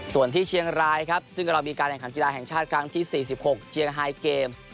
ส่วนที่เชียงรายครับซึ่งกำลังมีการทางกีฬาแห่งชาติทีสี่สิบหกเกมส์